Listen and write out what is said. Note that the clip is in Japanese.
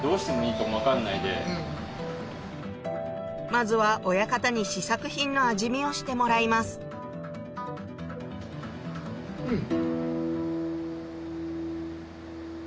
まずは親方に試作品の味見をしてもらいますうん！